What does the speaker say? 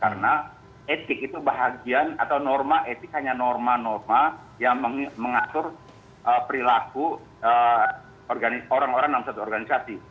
karena etik itu bahagian atau norma etik hanya norma norma yang mengatur perilaku orang orang dalam satu organisasi